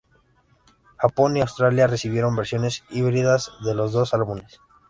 Japón y Australia recibieron versiones híbridas de los dos álbumes.